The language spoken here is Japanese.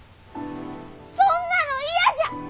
そんなの嫌じゃ！